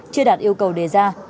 chưa đạt yêu cầu đề ra